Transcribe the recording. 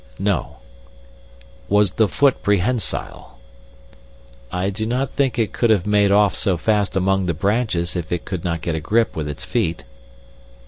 "No." "Was the foot prehensile?" "I do not think it could have made off so fast among the branches if it could not get a grip with its feet."